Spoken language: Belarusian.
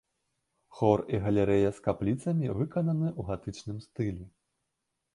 Хор і галерэя з капліцамі выкананы ў гатычным стылі.